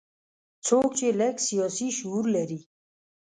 څوک چې لږ سیاسي شعور لري.